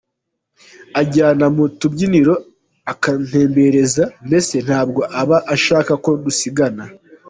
Ajyana mu tubyiniro, akantembereza, mbese ntabwo aba ashaka ko dusigana.